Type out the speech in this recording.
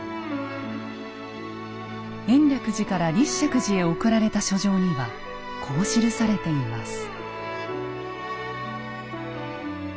延暦寺から立石寺へ送られた書状にはこう記されています。